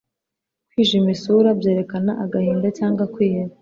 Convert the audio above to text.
Kwijima isura byerekana agahinda cyangwa kwiheba